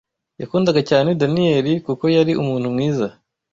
Yakundaga cyane Daniyeli kuko yari umuntu mwiza